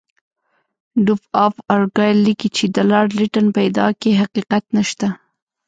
ډوک آف ارګایل لیکي چې د لارډ لیټن په ادعا کې حقیقت نشته.